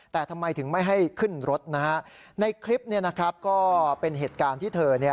แต่ทำไมถึงไม่ให้ขึ้นรถนะฮะในคลิปก็เป็นเหตุการณ์ที่เธอ